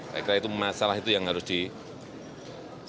saya kira itu masalah yang harus dikonsumsi